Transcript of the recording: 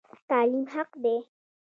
تعلیم حق دی